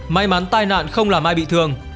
may mắn tai nạn không làm ai bị thương